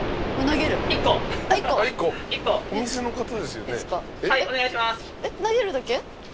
投げるだけ。